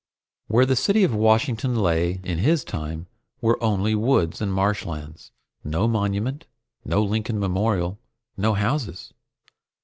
Where the city of Washington lay in his time were only woods and marshlands. No Monument, no Lincoln Memorial, no houses.